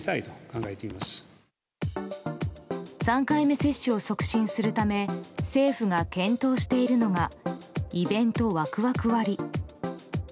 ３回目接種を促進するため政府が検討しているのがイベントワクワク割。